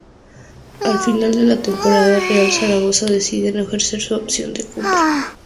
Al final de la temporada, Real Zaragoza decide no ejercer su opción de compra.